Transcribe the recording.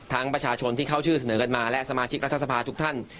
ประชาชนที่เข้าชื่อเสนอกันมาและสมาชิกรัฐสภาทุกท่าน